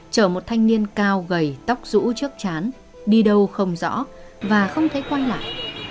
chở một thanh niên cao gầy tóc rũ trước chán đi đâu không rõ và không thấy quay lại